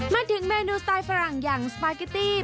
มาถึงเมนูสไตล์ฝรั่งอย่างสปาเกตตี้